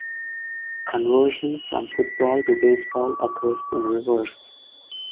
Conversion from football to baseball occurs in reverse.